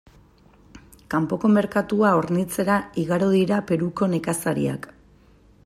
Kanpoko merkatua hornitzera igaro dira Peruko nekazariak.